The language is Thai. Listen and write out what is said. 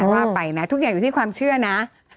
ว่าไปนะทุกอย่างอยู่ที่ความเชื่อนะ